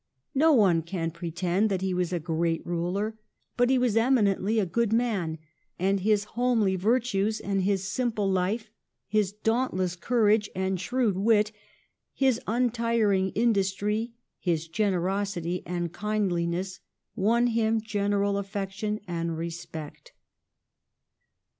No one can pretend that he was a great ruler; but he was eminently a good man, and his homely virtues and his simple life, his dauntless courage and shrewd wit, his untiring industry, his generosity and kindliness won him general affection and respect.